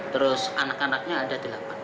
terus anak anaknya ada delapan